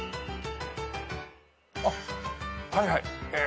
あっはいはい。